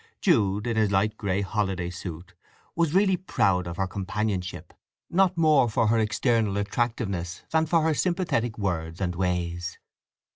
Jude, in his light grey holiday suit, was really proud of her companionship, not more for her external attractiveness than for her sympathetic words and ways.